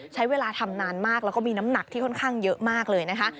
ใช้เวลาทำนานมากแล้วก็มีน้ำหนักที่ค่อนข้างเยอะมากเลยนะคะ